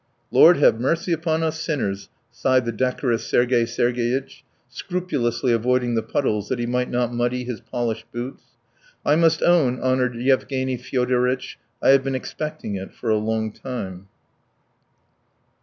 "Lord have mercy upon us sinners!" sighed the decorous Sergey Sergeyitch, scrupulously avoiding the puddles that he might not muddy his polished boots. "I must own, honoured Yevgeny Fyodoritch, I have been expecting it for a long time."